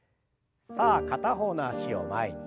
さあ片方の脚を前に。